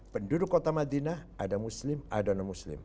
penduduk kota madinah ada muslim ada non muslim